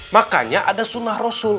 makanya ada sunnah rasul